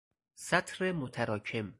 سطر متراکم